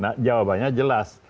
nah jawabannya jelas